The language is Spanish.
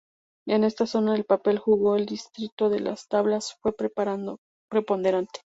En esta zona, el papel que jugó el distrito de Las Tablas fue preponderante.